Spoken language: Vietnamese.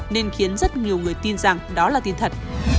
nên khiến rất nhiều người tin rằng đó là tin thật